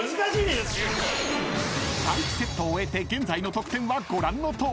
［第１セットを終えて現在の得点はご覧のとおり］